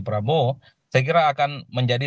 prabowo saya kira akan menjadi